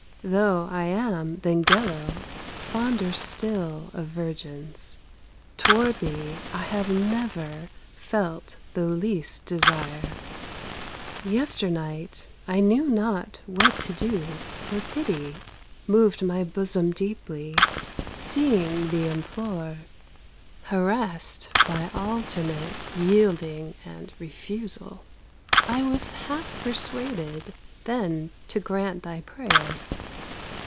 Though I am than Gello Fonder still of virgins, Toward thee I have never Felt the least desire. Yesternight I knew not What to do, for pity Moved my bosom deeply, Seeing thee implore. Harassed by alternate Yielding and refusal, I was half persuaded Then to grant thy prayer.